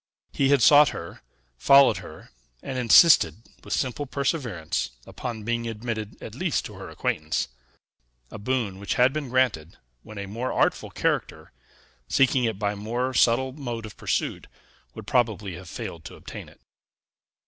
He had sought her, followed her, and insisted, with simple perseverance, upon being admitted at least to her acquaintance; a boon which had been granted, when a more artful character, seeking it by a more subtle mode of pursuit, would probably have failed to obtain it.